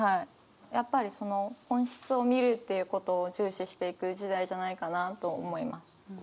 やっぱりその本質を見るっていうことを重視していく時代じゃないかなと思います。